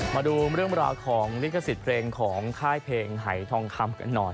มาดูเรื่องราวของลิขสิทธิ์เพลงของค่ายเพลงหายทองคำกันหน่อย